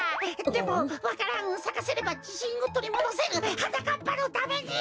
でもわか蘭をさかせればじしんをとりもどせるはなかっぱのために！